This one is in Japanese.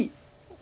お！